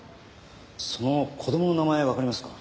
その子供の名前わかりますか？